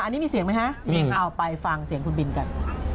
อันนี้มีเสียงไหมฮะเสียงเอาไปฟังเสียงคุณบินกัน